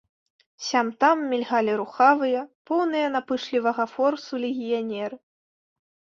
Сям-там мільгалі рухавыя, поўныя напышлівага форсу легіянеры.